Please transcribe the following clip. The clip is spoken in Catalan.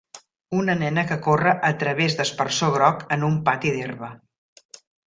Una nena que corre a través d'aspersor groc en un pati d'herba